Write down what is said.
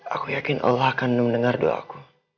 aku yakin allah akan mendengar doaku